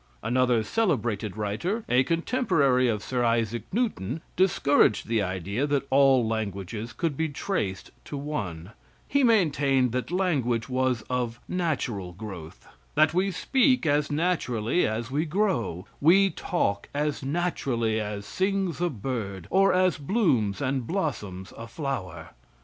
Another celebrated writer, a contemporary of Sir Isaac Newton, discouraged the idea that all languages could be traced to one; he maintained that language was of natural growth; that we speak as naturally as we grow; we talk as naturally as sings a bird, or as blooms and blossoms a flower.